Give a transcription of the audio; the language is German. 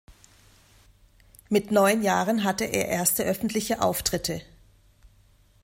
Mit neun Jahren hatte er erste öffentliche Auftritte.